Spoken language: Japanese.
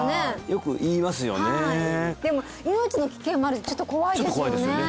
はいでも命の危険もあるしちょっと怖いですよね